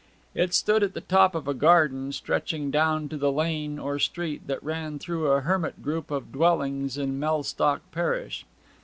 It stood at the top of a garden stretching down to the lane or street that ran through a hermit group of dwellings in Mellstock parish.